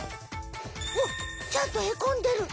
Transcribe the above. おっ！ちゃんとへこんでる！